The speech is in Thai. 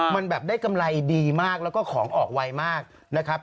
มันแบบได้กำไรดีมากแล้วก็ของออกไวมากนะครับ